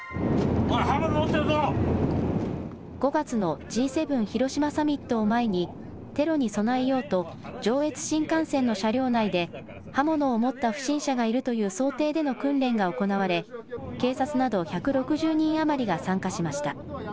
５月のＧ７広島サミットを前にテロに備えようと上越新幹線の車両内で刃物を持った不審者がいるという想定での訓練が行われ警察など１６０人余りが参加しました。